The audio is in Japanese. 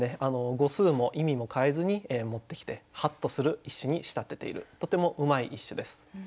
語数も意味も変えずに持ってきてハッとする一首に仕立てているとてもうまい一首です。